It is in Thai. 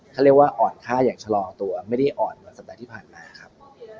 เขาเรียกว่าอ่อนค่าอย่างชะลอตัวไม่ได้อ่อนเหมือนสัปดาห์ที่ผ่านมาครับ